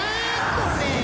これ。